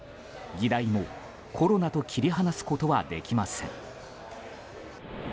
議題もコロナと切り離すことはできません。